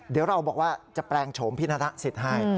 เดี๋ยวเราบอกว่าจะแปลงโฉมพี่นสิทธิ์ให้